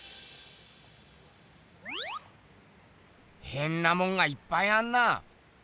ヘンなもんがいっぱいあんな。